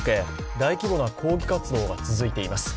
大規模な抗議活動が続いています。